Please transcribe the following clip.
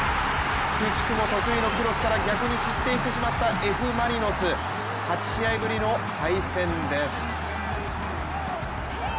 くしくも得意のクロスから逆に失点してしまったＦ・マリノス８試合ぶりの敗戦です。